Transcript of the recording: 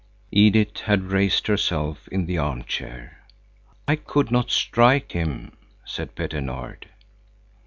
Edith had raised herself in the arm chair. "I could not strike him," said Petter Nord.